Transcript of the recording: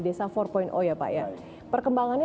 desa empat ya pak ya perkembangannya